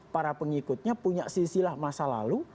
para pengikutnya punya sisilah masa lalu